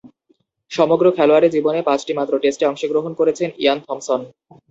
সমগ্র খেলোয়াড়ী জীবনে পাঁচটিমাত্র টেস্টে অংশগ্রহণ করেছেন ইয়ান থমসন।